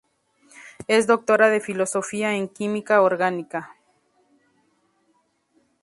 Es doctora de filosofía en química orgánica.